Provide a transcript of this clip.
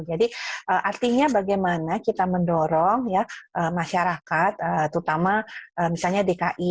jadi artinya bagaimana kita mendorong masyarakat terutama misalnya dki